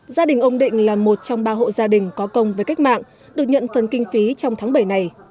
gia đình ông định là một trong ba hộ gia đình có công với cách mạng được nhận phần kinh phí trong tháng bảy này